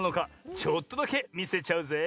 ちょっとだけみせちゃうぜい！